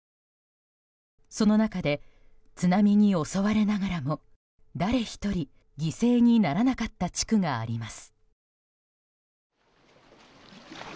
その中で、津波に襲われながらも誰１人、犠牲にならなかった地区があります。